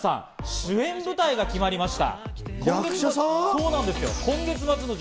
主演舞台が決まりました。